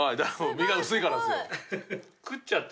身が薄いからですよ。